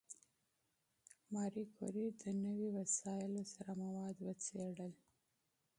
ماري کوري د نوي وسایلو سره مواد وڅېړل.